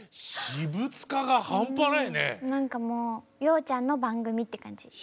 何かこう洋ちゃんの番組って感じ。